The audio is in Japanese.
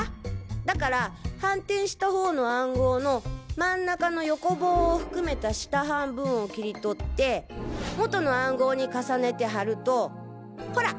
だから反転した方の暗号の真ん中の横棒を含めた下半分を切り取って元の暗号に重ねて貼るとホラ！